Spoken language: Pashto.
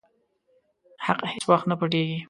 حق هيڅ وخت نه پټيږي.